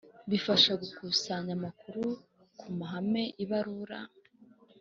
Bifasha gukusanya amakuru ku mahame ibarura